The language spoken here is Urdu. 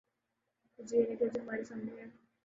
نتیجہ یہ نکلا جو ہمارے سامنے ہے۔